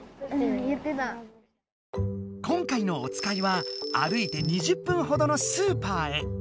今回のおつかいは歩いて２０分ほどのスーパーへ。